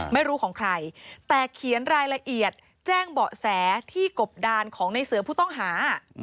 ไม่รู้ของใครแต่เขียนรายละเอียดแจ้งเบาะแสที่กบดานของในเสือผู้ต้องหา